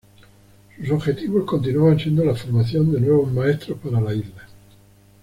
Sus objetivos continuaban siendo la formación de nuevos maestros para la Isla.